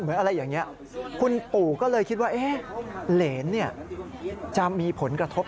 อะไรอย่างนี้คุณปู่ก็เลยคิดว่าเหรนจะมีผลกระทบ